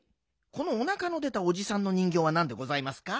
このおなかの出たおじさんの人ぎょうはなんでございますか？